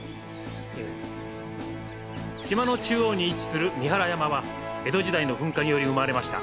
島の中央に位置する三原山は江戸時代の噴火により生まれました。